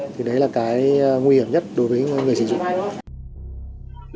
thì đấy là cái nguy hiểm nhất đối với người sử dụng